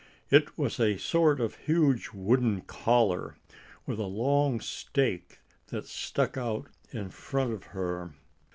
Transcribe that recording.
It was a sort of huge wooden collar, with a long stake that stuck out in front of her.